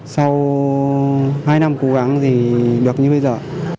sau hai năm cố gắng gì được như bây giờ